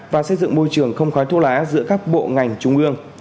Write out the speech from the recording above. và xây dựng môi trường không khói thuốc lá giữa các bộ ngành trung ương